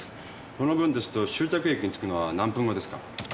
このぶんですと終着駅に着くのは何分後ですか？